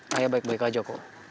saya baik baik aja kok